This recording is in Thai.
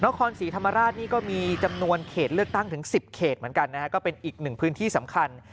นครศรีธรรมราชนี่ก็มีจำนวนเขตเลือกตั้งถึง๑๐เขตเหมือนกันนะฮะก็เป็นอีกหนึ่งพื้นที่สำคัญ